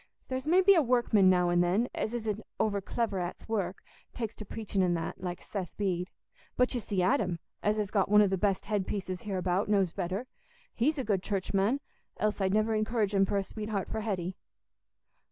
There's maybe a workman now an' then, as isn't overclever at's work, takes to preachin' an' that, like Seth Bede. But you see Adam, as has got one o' the best head pieces hereabout, knows better; he's a good Churchman, else I'd never encourage him for a sweetheart for Hetty."